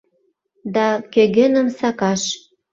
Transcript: Да кӧгӧным сакаш.